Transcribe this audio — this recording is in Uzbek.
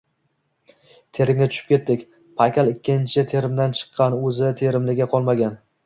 Terimga tushib ketdik. Paykal ikkinchi terimdan chiqqan, oʻzi “terimligi” qolmagan.